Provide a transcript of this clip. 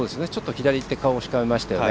左にいって顔しかめましたよね。